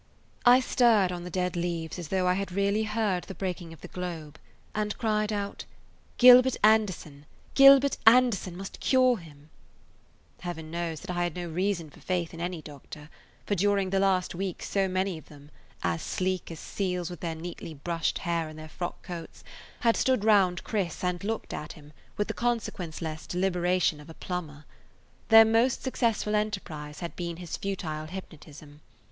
I stirred on the dead leaves as though I had really heard the breaking of the globe and cried out, "Gilbert Anderson, Gilbert Anderson must cure him." Heaven knows that I had no reason for faith in any doctor, for during the last week so many of them, as sleek as seals with their neatly brushed hair and their frock coats, had stood round Chris and looked at him with the consequenceless deliberation of a [Page 134] plumber. Their most successful enterprise had been his futile hypnotism.